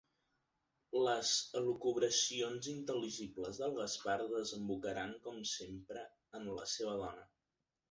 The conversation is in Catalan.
Les elucubracions inintel·ligibles del Gaspar desembocaran com sempre en la seva dona.